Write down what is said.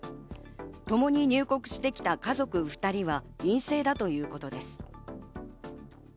ともに入国してきた家族２人は陰性だということです。